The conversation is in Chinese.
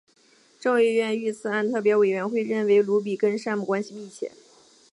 众议院遇刺案特别委员会认为鲁比跟山姆关系密切。